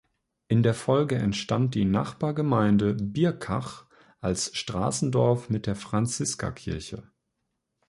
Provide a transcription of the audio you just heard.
In der Folge entstand die Nachbargemeinde Birkach als Straßendorf mit der Franziska-Kirche.